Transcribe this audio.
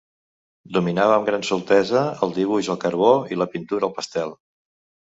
Dominava amb gran soltesa el dibuix al carbó i la pintura al pastel.